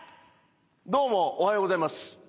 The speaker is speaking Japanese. どうもおはようございます。